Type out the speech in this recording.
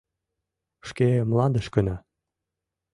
— Шке мландышкына.